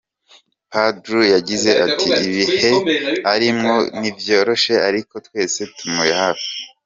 Pardew yagize ati: "Ibihe arimwo ntivyoroshe, ariko twese tumuri hafi.